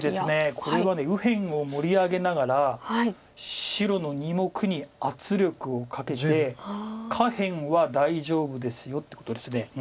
これは右辺を盛り上げながら白の２目に圧力をかけて「下辺は大丈夫ですよ」ってことです。